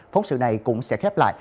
phóng sự này cũng sẽ khép lại